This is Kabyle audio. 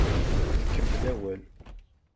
Tkemmel awal.